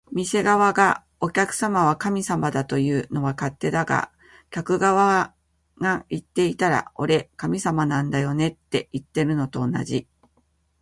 店側が「お客様は神様だ」というのは勝手だが、客側が言っていたら「俺、神様なんだよね」っていってるのと同じ